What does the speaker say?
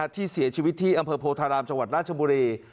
ที่เสียชีวิตที่อำเภอโพธารามจังหวัดราชบุรี